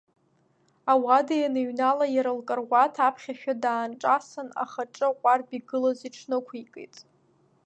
Ауада ианынҩнала, иара лкаруаҭ аԥхьашәа даанҿасын, ахаҿы аҟәардә игылаз иҽнықәикит…